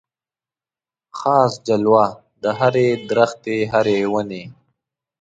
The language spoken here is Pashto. خاص جلوه د هري درختي هري وني